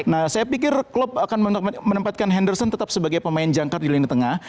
nah saya pikir klub akan menempatkan henderson tetap sebagai pemain jangkar di lini tengah